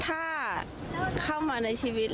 ถ้าเข้ามาในชีวิต